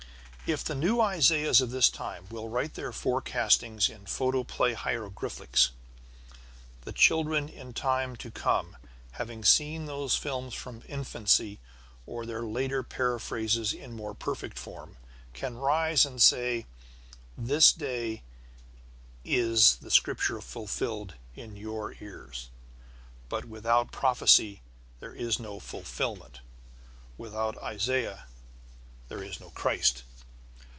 If the New Isaiahs of this time will write their forecastings in photoplay hieroglyphics, the children in times to come, having seen those films from infancy, or their later paraphrases in more perfect form, can rise and say, "This day is this Scripture fulfilled in your ears." But without prophecy there is no fulfilment, without Isaiah there is no Christ.